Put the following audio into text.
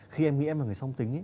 khi em nghĩ em là người song tính ấy